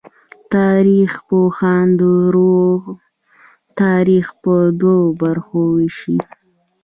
تاریخ پوهان د روم تاریخ په دوو برخو ویشي.